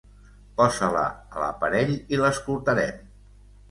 Posa-la a l'aparell i l'escoltarem.